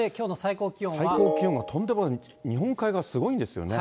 最高気温がとんでもない、日本海側がすごいんですよね。